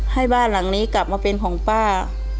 ให้บ้านหลังนี้กลับมาเป็นของป้า